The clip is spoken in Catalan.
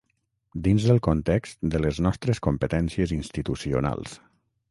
dins del context de les nostres competències institucionals